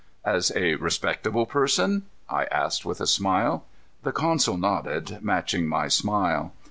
"As a respectable person?" I asked with a smile. The consul nodded, matching my smile.